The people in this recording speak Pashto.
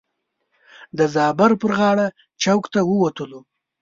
د زابر پر غاړه چوک ته ووتلو.